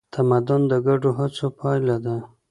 تمدن د ګډو هڅو پایله ده.